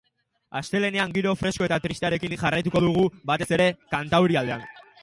Astelehenean giro fresko eta tristearekin jarraituko dugu, batez ere kantaurialdean.